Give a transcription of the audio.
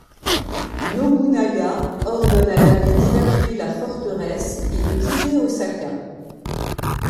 Nobunaga ordonne à l'abbé d'évacuer la forteresse et de quitter Osaka.